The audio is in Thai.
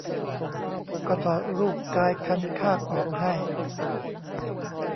ก็ถอดรูปกายคันคากออกให้